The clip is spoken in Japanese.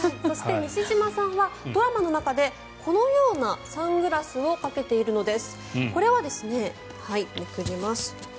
西島さんはドラマの中でこのようなサングラスをかけているんです。